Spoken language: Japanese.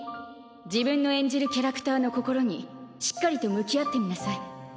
自分の演じるキャラクターの心にしっかりと向き合ってみなさい。